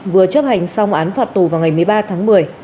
vừa chấp hành sau một án phạt tù vào ngày một mươi ba tháng một mươi